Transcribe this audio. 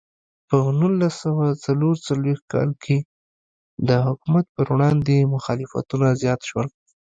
په نولس سوه څلور څلوېښت کال کې د حکومت پر وړاندې مخالفتونه زیات شول.